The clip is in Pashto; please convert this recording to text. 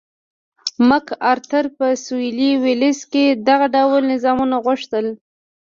مک ارتر په سوېلي ویلز کې دغه ډول نظامونه غوښتل.